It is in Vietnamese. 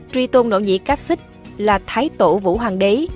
truy tôn nỗ nhĩ cáp xích là thái tổ vũ hoàng đế